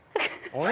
あれ？